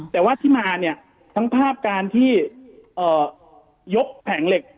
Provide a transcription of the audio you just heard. แต่ว่าที่มาเนี่ยทั้งภาพการที่ยกแผงเหล็ก